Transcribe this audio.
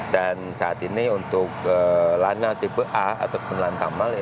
dan saat ini untuk lana tipe a atau penelan tamal ini empat belas ya